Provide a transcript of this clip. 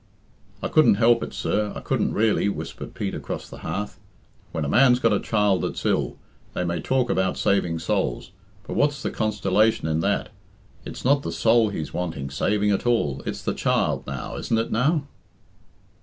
"I couldn't help it, sir I couldn't really," whispered Pete across the hearth. "When a man's got a child that's ill, they may talk about saving souls, but what's the constilation in that? It's not the soul he's wanting saving at all, it's the child now, isn't it, now?"